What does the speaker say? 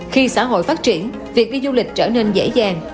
khi xã hội phát triển việc đi du lịch trở nên dễ dàng